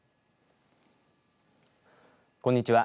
こんにちは。